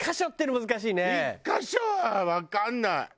１カ所はわかんない！